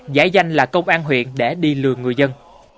giải danh là công an huyện để đi lừa người dân